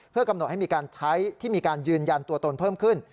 เพื่อกำหนดให้มีการใช้ที่มีการยืนยันตัวตนเพิ่มขึ้น